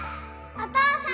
・お父さん！